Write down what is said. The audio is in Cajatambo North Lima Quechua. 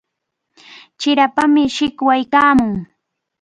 Chirapami shikwaykaamun.